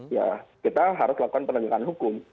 ya kita harus lakukan penegakan hukum